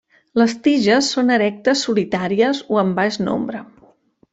Les tiges són erectes solitàries o en baix nombre.